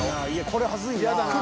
これ恥ずいなぁ。